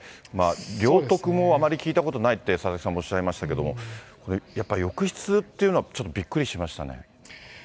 領得もあまり聞いたことないって、佐々木さんもおっしゃいましたけれども、やっぱり浴室っていうのは、ちょっとびっくりしましたね。